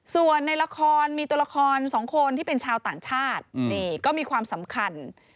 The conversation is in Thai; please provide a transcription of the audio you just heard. ส่วนในละครมีตัวละคร๒คนที่เป็นชาวต่างชาตินี่ก็มีความสำคัญ